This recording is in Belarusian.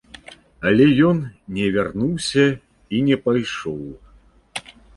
Але ён не вярнуўся і не пайшоў.